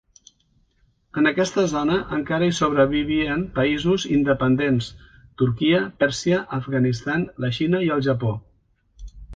En aquesta zona encara hi sobrevivien països independents: Turquia, Pèrsia, Afganistan, la Xina i el Japó.